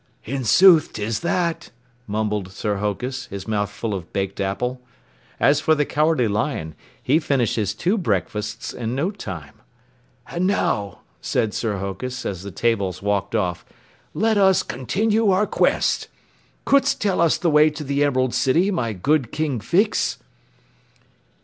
"In sooth 'tis that," mumbled Sir Hokus, his mouth full of baked apple. As for the Cowardly Lion, he finished his two breakfasts in no time. "And now," said Sir Hokus as the tables walked off, "let us continue our quest. Could'st tell us the way to the Emerald City, my good King Fix?"